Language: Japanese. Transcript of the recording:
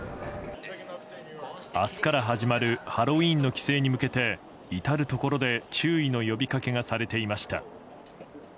明日から始まるハロウィーンの規制に向け至るところで注意の呼びかけがされていました。